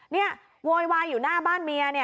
นี่โวยวายอยู่หน้าบ้านเมียเนี่ย